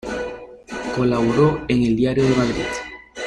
Colaboró en el "Diario de Madrid".